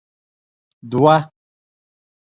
دوه